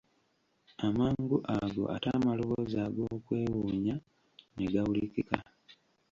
Amangu ago ate amaloboozi ag'okwewuunya ne gawulikika.